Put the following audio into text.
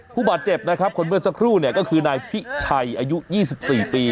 ผู้บาดเจ็บนะครับคนเมื่อสักครู่เนี่ยก็คือนายพิชัยอายุ๒๔ปี